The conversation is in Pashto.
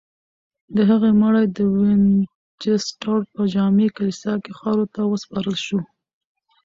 د هغې مړی د وینچسټر په جامع کلیسا کې خاورو ته وسپارل شو.